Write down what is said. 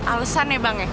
alesan ya bang ya